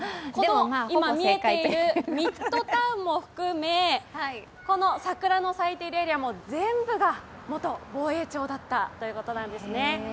今見えているミッドタウンも含めこの桜の咲いているエリアも全部が元防衛庁だったということなんですね。